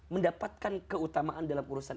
mendapatkan keutamaan dalam urusan